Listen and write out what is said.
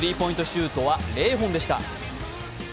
シュートは０本でした。